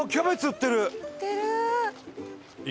売ってる！